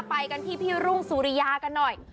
ไปกันที่พี่รุ่งสุริยากันหน่อย